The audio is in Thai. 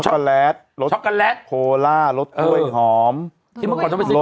ช็อกโกแลตช็อกโกแลตโคล่ารสถ้วยหอมที่เมื่อก่อนจะไปซื้อ